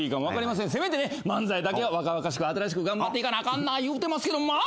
せめてね漫才だけは若々しく新しく頑張っていかなあかんなぁ言うてますけどもまあ